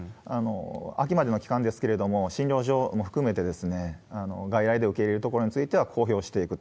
秋までの期間ですけれども、診療所も含めて、外来で受け入れる所については公表していく。